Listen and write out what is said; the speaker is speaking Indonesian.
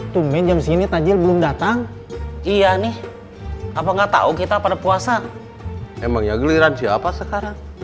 tumen jam sini tajil belum datang iya nih apa nggak tahu kita pada puasa emangnya gelirannya apa sekarang